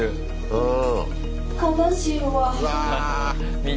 うん。